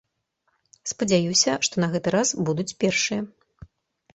Спадзяюся, што на гэты раз будуць першыя.